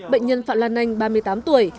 bệnh nhân phạm lan anh ba mươi tám tuổi